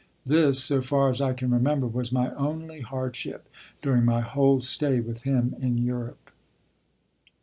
This, so far as I can remember, was my only hardship during my whole stay with him in Europe.